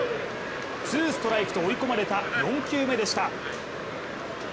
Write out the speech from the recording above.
ツーストライクと追い込まれた４球目でした。